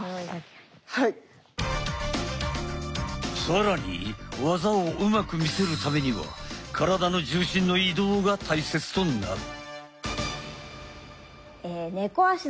更に技をうまく見せるためには体の重心の移動が大切となる。